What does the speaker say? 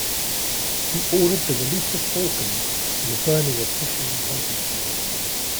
He ordered the release of falcons and the burning of fishing and hunting tools.